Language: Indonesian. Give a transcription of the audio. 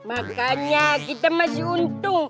makanya kita masih untung